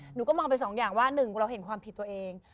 หนูก็มองไปสองอย่างว่าหนึ่งเราเห็นความผิดตัวเอง